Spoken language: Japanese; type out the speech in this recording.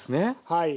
はい。